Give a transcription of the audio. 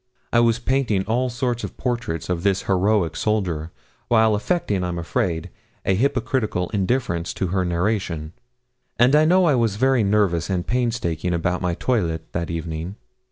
I was painting all sort of portraits of this heroic soldier, while affecting, I am afraid, a hypocritical indifference to her narration, and I know I was very nervous and painstaking about my toilet that evening.